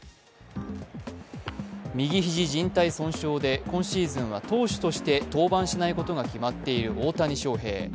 右肘じん帯損傷で今シーズンは投手として登板しないことが決まっている大谷翔平。